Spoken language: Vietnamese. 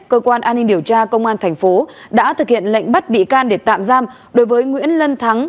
cơ quan an ninh điều tra công an thành phố đã thực hiện lệnh bắt bị can để tạm giam đối với nguyễn lân thắng